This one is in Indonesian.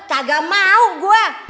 kagak mau gua